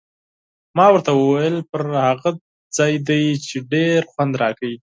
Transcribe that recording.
ما ورته وویل: پر هغه ځای دې، چې ډېر خوند راکوي.